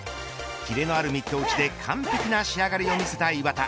切れのあるミット打ちで完璧な仕上がりを見せた岩田。